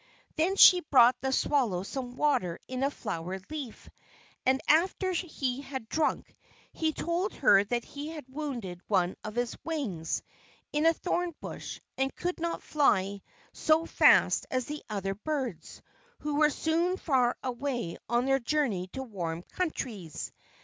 Then she brought the swallow some water in a flower leaf, and after he had drunk, he told her that he had wounded one of his wings in a thorn bush, and could not fly so fast as the other birds, who were soon far away on their journey to warm countries.